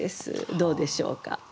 どうでしょうか？